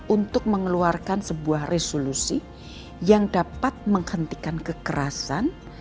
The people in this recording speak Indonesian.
untuk mengeluarkan sebuah resolusi yang dapat menghentikan kekerasan